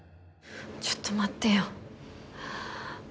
ちょっと待ってよ。